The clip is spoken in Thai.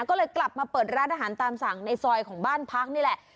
ก็เลยกลับมาเปิดร้านอาหารตามสั่งในซอยของบ้านพักนี่แหละ